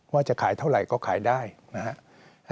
ว่าจะขายเท่าไหร่ก็ขายได้นะครับ